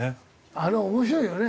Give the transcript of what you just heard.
あれ面白いよね。